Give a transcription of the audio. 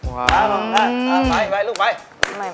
ไปลูกไป